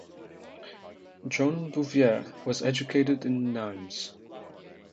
John Bouvier was educated in Nimes.